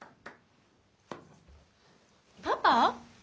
パパ？